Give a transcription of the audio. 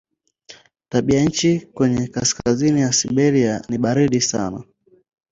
Tabianchi kwenye kaskazini ya Siberia ni baridi sana.